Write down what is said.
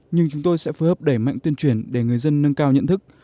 nhưng chúng tôi sẽ phù hợp để mạnh tuyên truyền để người dân nâng cao nhận thức